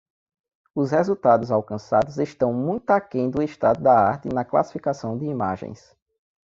Os resultados alcançados estão muito aquém do estado da arte na classificação de imagens.